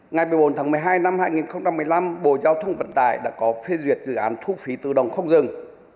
ngày một mươi bốn tháng một mươi hai năm hai nghìn một mươi năm bộ giao thông vận tải đã có phê duyệt dự án thu phí tự động không dừng